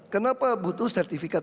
kenapa butuh sertifikat